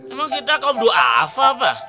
emang kita kaum doa apa pak